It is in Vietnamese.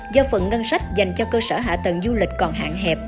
do phần ngân sách dành cho cơ sở hạ tầng du lịch còn hạng